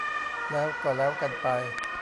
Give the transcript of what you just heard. แล้วก็แล้วกันไป